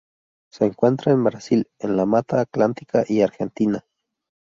Se encuentra en Brasil en la Mata Atlántica y Argentina.